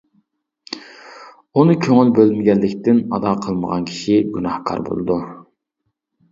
ئۇنى كۆڭۈل بۆلمىگەنلىكتىن ئادا قىلمىغان كىشى گۇناھكار بولىدۇ.